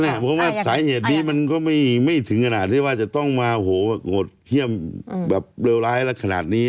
เพราะว่าสาเหตุนี้มันก็ไม่ถึงขนาดที่ว่าจะต้องมาโหดเยี่ยมแบบเลวร้ายและขนาดนี้